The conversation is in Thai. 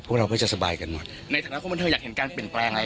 พวกเราก็จะสบายกันหมดในถักน้ำของบันเทอร์อยากเห็นการเปลี่ยนแปลงอะไรล่ะ